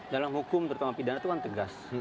dalam hukum terutama pidana itu kan tegas